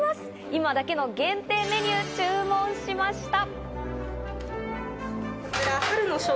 今だけの限定メニューを注文しました。